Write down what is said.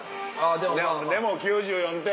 でも９４点。